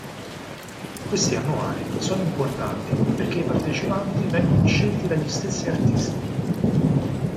Questi Annuari sono importanti perché i partecipanti vengono scelti dagli stessi artisti.